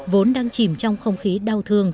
vốn đang chìm trong không khí đau thương